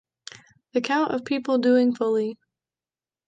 the count of people doing fully!